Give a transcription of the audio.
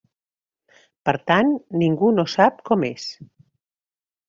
Per tant, ningú no sap com és.